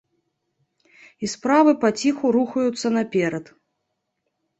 І справы паціху рухаюцца наперад.